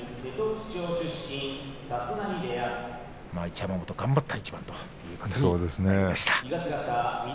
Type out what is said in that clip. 一山本が頑張った一番でした。